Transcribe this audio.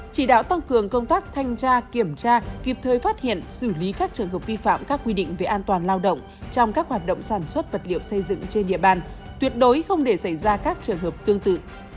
chỉ đạo tăng cường công tác thanh tra kiểm tra kịp thời phát hiện xử lý các trường hợp vi phạm các quy định về an toàn lao động trong các hoạt động sản xuất vật liệu xây dựng trên địa bàn tuyệt đối không để xảy ra các trường hợp tương tự